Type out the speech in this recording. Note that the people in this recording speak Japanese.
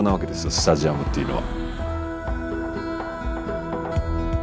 スタジアムっていうのは。